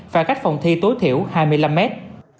và cách phòng thi tối thiểu hai mươi năm mét